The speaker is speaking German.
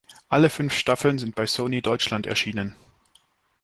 Alle fünf Staffeln sind bei Sony Deutschland erschienen.